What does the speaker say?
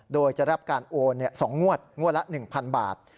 โดยจะรับการโอน๒งวดงวดละ๑๐๐๐บาท